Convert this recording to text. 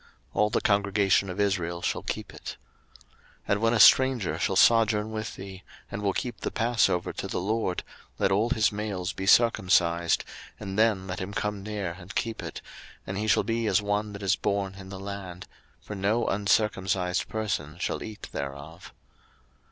02:012:047 All the congregation of Israel shall keep it. 02:012:048 And when a stranger shall sojourn with thee, and will keep the passover to the LORD, let all his males be circumcised, and then let him come near and keep it; and he shall be as one that is born in the land: for no uncircumcised person shall eat thereof.